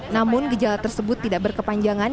namun gejala tersebut tidak berkepanjangan